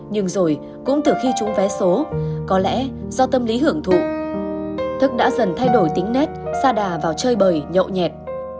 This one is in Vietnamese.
nhưng rồi cũng từ khi trúng vé số có lẽ do tâm lý hưởng thụ thức đã dần thay đổi tính nét xa đà vào chơi bời nhậu nhẹt